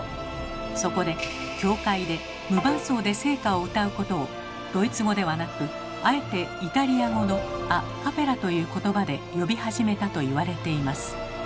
そこで教会で無伴奏で聖歌を歌うことをドイツ語ではなくあえてイタリア語の「ア・カペラ」という言葉で呼び始めたと言われています。